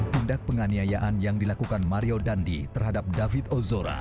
tindak penganiayaan yang dilakukan mario dandi terhadap david ozora